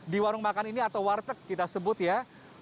di warung makan ini atau warteg kita sebut ya